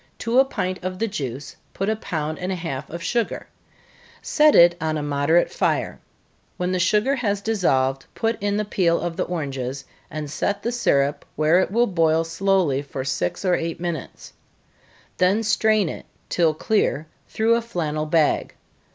To a pint of the juice, put a pound and a half of sugar set it on a moderate fire when the sugar has dissolved, put in the peel of the oranges, and set the syrup where it will boil slowly for six or eight minutes then strain it, till clear, through a flannel bag.